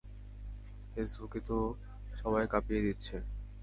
ফেসবুকে তো সবাই কাঁপিয়ে দিচ্ছে!